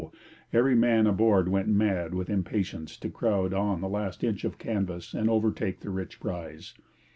every man aboard went mad with impatience to crowd on the last inch of canvas and overtake the rich prize.